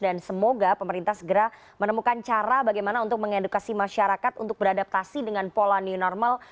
dan semoga pemerintah segera menemukan cara bagaimana untuk mengedukasi masyarakat untuk beradaptasi dengan pola new normal